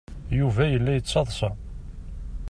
Yuba yella yettaḍsa.